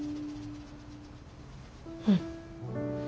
うん。